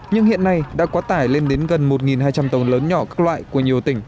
nhưng hiện nay đã quá tải lên đến gần một hai trăm linh tàu lớn nhỏ các loại của nhiều tỉnh